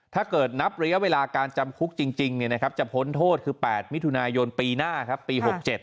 ถ้าเกิดนับระยะเวลาการจำคุกจริงจะพ้นโทษคือ๘มิถุนายนปีหน้าครับปี๖๗